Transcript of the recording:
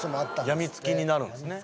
病みつきになるんすね